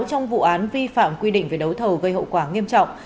trong vụ án vi phạm quy định về đấu thầu gây hậu quả nghiêm trọng